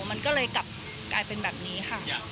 มันก็เลยกลับกลายเป็นแบบนี้ค่ะ